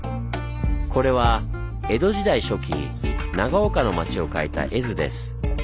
これは江戸時代初期長岡の町を描いた絵図です。